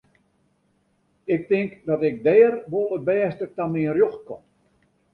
Ik tink dat ik dêr wol it bêste ta myn rjocht kom.